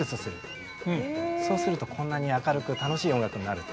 そうするとこんなに明るく楽しい音楽になると。